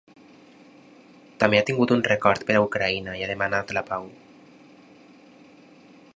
També ha tingut un record per a Ucraïna i ha demanat la pau.